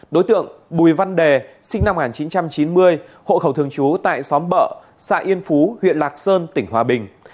đối tượng bùi văn đề sinh năm một nghìn chín trăm chín mươi hộ khẩu thường trú tại xóm bợ xã yên phú huyện lạc sơn tỉnh hòa bình